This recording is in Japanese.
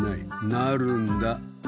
なるんだ！